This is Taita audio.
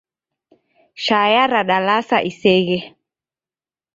Shaya radalasa iseghe